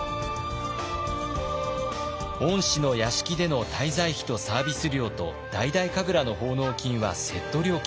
御師の屋敷での滞在費とサービス料と大々神楽の奉納金はセット料金。